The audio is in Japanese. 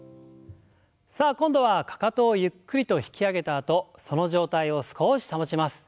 さあ今度はかかとをゆっくりと引き上げたあとその状態を少し保ちます。